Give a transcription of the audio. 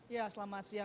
ya selamat siang